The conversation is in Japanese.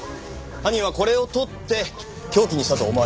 犯人はこれを取って凶器にしたと思われます。